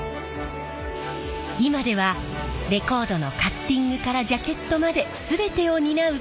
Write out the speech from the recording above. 今ではレコードのカッティングからジャケットまで全てを担う